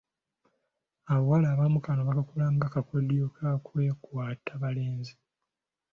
Abawala abamu kano bakakola nga kakodyo kakwekwata balenzi.